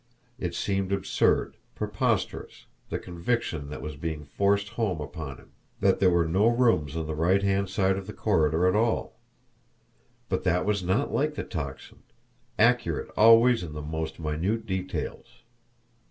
It seemed absurd, preposterous, the conviction that was being forced home upon him that there were no rooms on the right hand side of the corridor at all! But that was not like the Tocsin, accurate always in the most minute details.